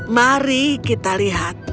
mari kita lihat